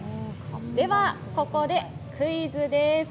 では、ここでクイズです。